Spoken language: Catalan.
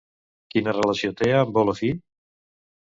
Quina relació té amb Olofi?